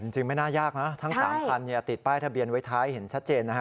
จริงไม่น่ายากนะทั้ง๓คันติดป้ายทะเบียนไว้ท้ายเห็นชัดเจนนะฮะ